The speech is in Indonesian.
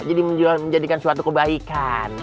jadi menjadikan suatu kebaikan